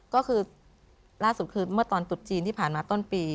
ก็คือล่าสุดคือเมื่อตอนตุดจีนที่ผ่านมาต้นปี